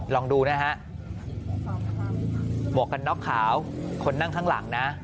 ลองดูนะฮะหมวกกันน็อกขาวคนนั่งข้างหลังนะ